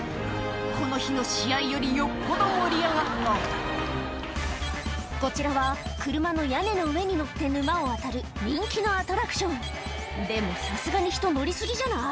この日の試合よりよっぽど盛り上がったこちらは車の屋根の上に乗って沼を渡る人気のアトラクションでもさすがに人乗り過ぎじゃない？